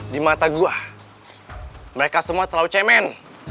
di mata gue mereka semua terlalu cemen